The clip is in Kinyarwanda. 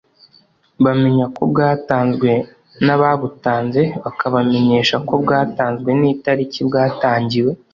bamenya ko bwatanzwe n’ababutanze bakabamenyesha ko bwatanzwe n’ itariki bwatangiwe